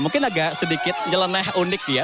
mungkin agak sedikit nyeleneh unik ya